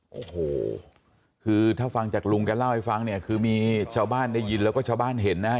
โอ้โหคือถ้าฟังจากลุงแกเล่าให้ฟังเนี่ยคือมีชาวบ้านได้ยินแล้วก็ชาวบ้านเห็นนะฮะ